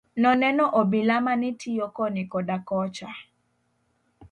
Noneno obila mane tiyo koni koda kocha.